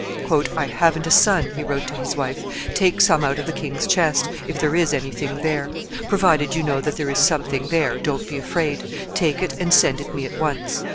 "I haven't a son," he wrote to his wife; "take something out of the king's chest, if there is anything there; provided you know that there is something there, don't be afraid; take it and send it me at once.